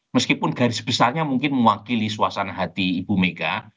meskipun garis besarnya mungkin mewakili suasana hati ibu mega